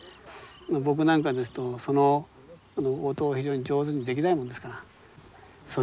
僕なんかですとその音を非常に上手にできないもんですから「そっち行ったら駄目だべ！」